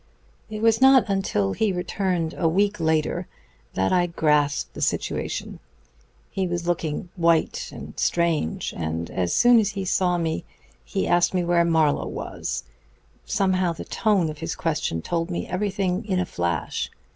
"It was not until he returned a week later that I grasped the situation. He was looking white and strange, and as soon as he saw me he asked me where Mr. Marlowe was. Somehow the tone of his question told me everything in a flash.